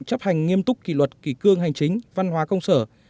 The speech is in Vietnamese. chấp hành nghiêm túc kỳ luật kỳ cương hành chính văn hóa công sở